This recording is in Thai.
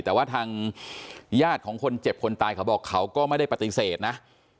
แต่ว่าทางญาติของคนเจ็บคนตายเขาบอกเขาก็ไม่ได้ปฏิเสธนะ